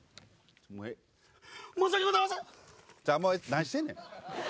何してんねん。